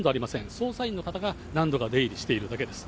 捜査員の方が何度か出入りしているだけです。